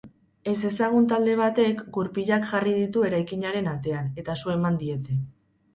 Ezezagun talde batek gurpilak jarri ditu eraikinaren atean, eta su eman diete.